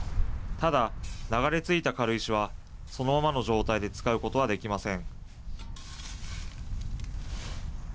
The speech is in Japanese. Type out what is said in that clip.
ただ、流れ着いた軽石は、そのままの状態で使うことはできません。